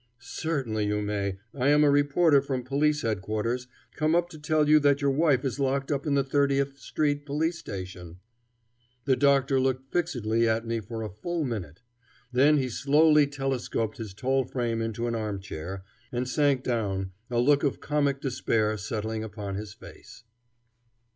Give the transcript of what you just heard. "Certainly, you may. I am a reporter from Police Headquarters, come up to tell you that your wife is locked up in the Thirtieth Street police station." The doctor looked fixedly at me for a full minute. Then he slowly telescoped his tall frame into an armchair, and sank down, a look of comic despair settling upon his face.